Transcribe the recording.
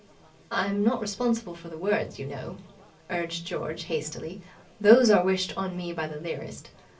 "I'm not responsible for the words, you know," urged George hastily. "Those are wished on me by the lyrist."